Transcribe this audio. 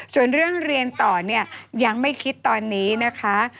ส่วนเรื่องเรียนต่อเนี่ยยังไม่คิดตอนนี้นะคะ